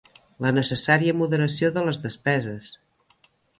La necessària moderació de les despeses.